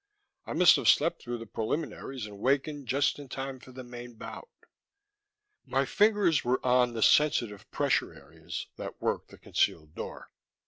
I must have slept through the preliminaries and wakened just in time for the main bout. My fingers were on the sensitive pressure areas that worked the concealed door.